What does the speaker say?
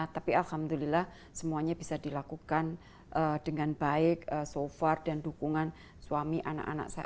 tapi alhamdulillah semuanya bisa dilakukan dengan baik so far dan dukungan suami anak anak saya